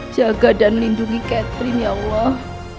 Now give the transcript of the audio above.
jaga dan lindungi catherine ya allah